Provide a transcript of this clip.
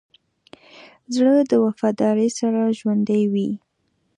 زړه د وفادارۍ سره ژوندی وي.